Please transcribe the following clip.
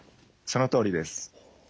そのとおりです。